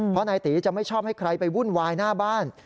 เพราะนายตีจะไม่ชอบให้ใครไปวุ่นวายหน้าบ้าน